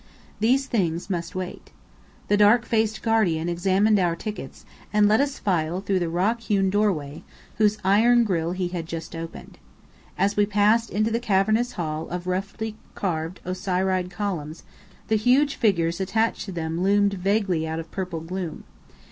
These things must wait. The dark faced guardian examined our tickets, and let us file through the rock hewn doorway, whose iron grille he had just opened. As we passed into the cavernous hall of roughly carved Osiride columns, the huge figures attached to them loomed vaguely out of purple gloom.